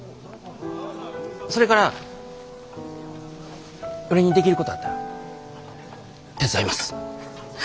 それから俺にできることあったら手伝います。